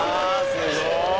すごい！